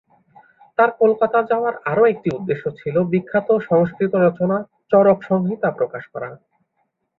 তাঁর কলকাতা যাওয়ার আরও একটি উদ্দেশ্য ছিল বিখ্যাত সংস্কৃত রচনা ‘চরক-সংহিতা’ প্রকাশ করা।